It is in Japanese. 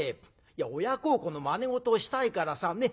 いや親孝行のまね事をしたいからさね？